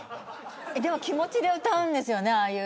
でも気持ちで歌うんですよね。